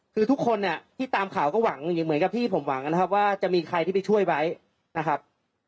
คือทุกคนเนี่ยที่ตามข่าวก็หวังเหมือนกับที่ผมหวังนะครับว่าจะมีใครที่ไปช่วยไว้นะครับ